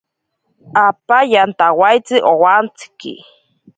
Apa yantawaitsi owantsiki.